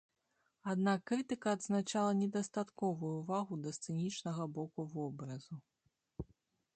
Аднак крытыка адзначала недастатковую ўвагу да сцэнічнага боку вобразу.